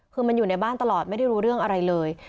คือมันอยู่ในบ้านตลอดไม่ได้รู้เรื่องอะไรเลย